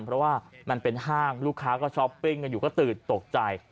เพราะว่ามันเป็นห้างลูกค้าก็ช้อปปิ้งกันอยู่ก็ตื่นตกใจ